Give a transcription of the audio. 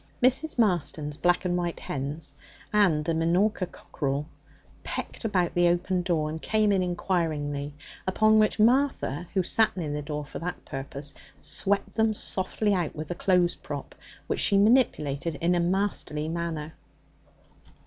Mrs. Marston's black and white hens and the minorca cockerel pecked about the open door and came in inquiringly, upon which Martha, who sat near the door for that purpose, swept them softly out with the clothes prop, which she manipulated in a masterly manner.